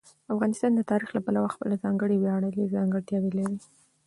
افغانستان د تاریخ له پلوه خپله ځانګړې ویاړلې ځانګړتیاوې لري.